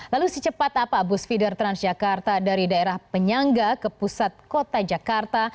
lalu secepat apa bus feeder transjakarta dari daerah penyangga ke pusat kota jakarta